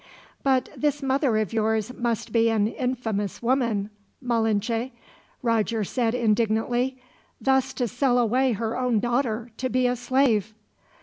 "But this mother of yours must be an infamous woman, Malinche," Roger said indignantly, "thus to sell away her own daughter to be a slave!"